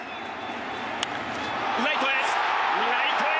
ライトへ。